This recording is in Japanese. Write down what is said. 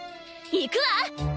いくわ！